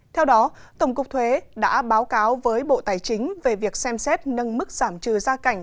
theo đó tổng cục thuế đã báo cáo với bộ tài chính về việc xem xét nâng mức giảm trừ gia cảnh